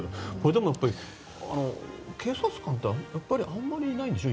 でもやっぱり、警察官ってあんまりいないんでしょ？